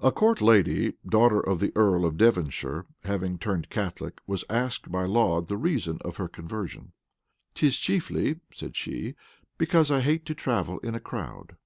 A court lady, daughter of the earl of Devonshire, having turned Catholic, was asked by Laud the reason of her conversion: "'Tis chiefly," said she, "because I hate to travel in a crowd."